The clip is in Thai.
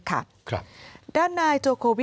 ด้านนายโจโกวิโดโดประธานาธิบดีองค์อ่าน